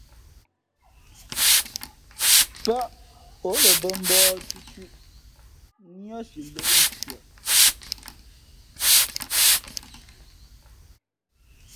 Pάʼ ǒ lα mbᾱ mbǒh cʉ̄cʉ̄ niά siʼ lōʼ nshʉαʼ.